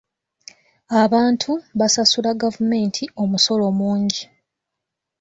Abantu basasula gavumenti omusolo mungi.